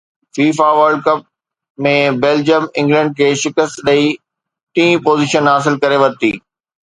FIFA world cup ۾ Belgium England کي شڪست ڏئي ٽئين پوزيشن حاصل ڪري ورتي